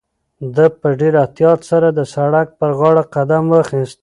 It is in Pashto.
ده په ډېر احتیاط سره د سړک پر غاړه قدم واخیست.